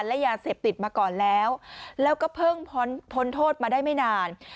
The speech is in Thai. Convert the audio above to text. และยาเสพติดมาก่อนแล้วแล้วก็เพิ่งพ้นพ้นโทษมาได้ไม่นาน